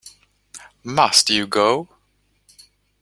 Must you go?